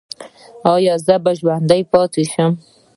ایا زه به ژوندی پاتې شم؟